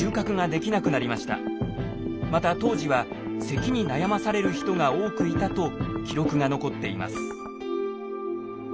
また当時はせきに悩まされる人が多くいたと記録が残っています。